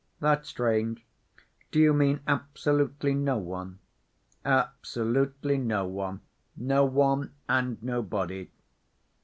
"That's strange. Do you mean absolutely no one?" "Absolutely no one. No one and nobody."